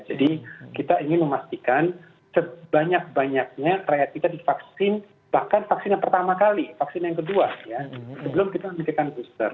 jadi kita ingin memastikan sebanyak banyaknya rakyat kita divaksin bahkan vaksin yang pertama kali vaksin yang kedua ya sebelum kita memikirkan booster